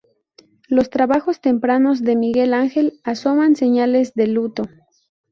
Los trabajos tempranos de Miguel Ángel asoman señales de luto.